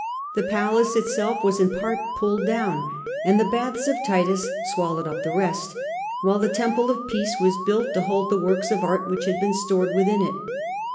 The palace itself was in part pulled down, and the Baths of Titus swallowed up the rest, while the Temple of Peace was built to hold the works of art which had been stored within it.